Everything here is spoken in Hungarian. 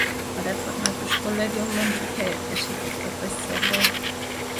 A Református Kollégiumban csak helyettesítő professzor volt.